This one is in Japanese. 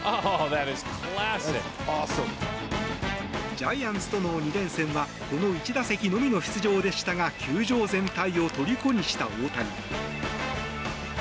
ジャイアンツとの２連戦はこの１打席のみの出場でしたが球場全体をとりこにした大谷。